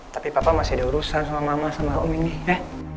tapi papa masih ada urusan sama mama sama om ini ya